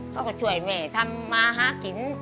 เขาก็ช่วยเมด้๋มมาหากิน